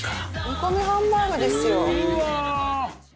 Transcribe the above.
煮込みハンバーグですよ。